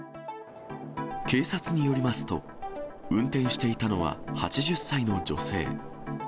警察によりますと、運転していたのは８０歳の女性。